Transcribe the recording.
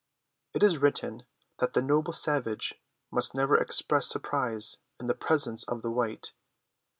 It is written that the noble savage must never express surprise in the presence of the white.